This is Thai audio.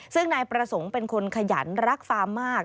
ซึ่งนายประสงค์เป็นคนขยันรักฟาร์มมาก